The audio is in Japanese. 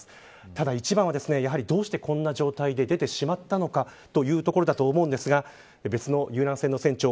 ただ一番は、どうしてこんな状態で出てしまったのかというところだと思いますが別の遊覧船の船長